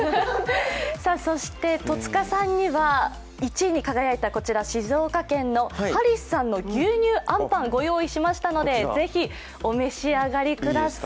そして戸塚さんには１位に輝いた、静岡県のハリスさんの牛乳あんパンを御用意しましたのでぜひお召し上がりください。